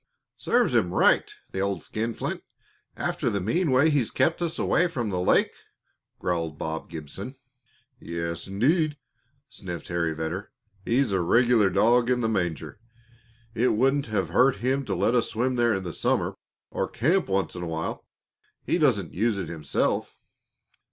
"Serves him right, the old skinflint, after the mean way he's kept us away from the lake!" growled Bob Gibson. "Yes, indeed!" sniffed Harry Vedder. "He's a regular dog in the manger. It wouldn't hurt him to let us swim there in the summer, or camp once in a while. He doesn't use it himself."